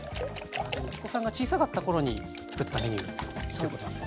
息子さんが小さかった頃に作ったメニューっていうことなんですね。